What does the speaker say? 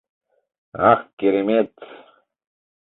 Ах, керемет!